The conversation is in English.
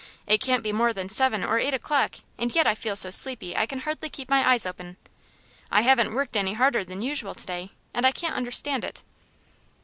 "It can't be more than seven or eight o'clock, and yet I feel so sleepy I can hardly keep my eyes open. I haven't worked any harder than usual to day, and I can't understand it."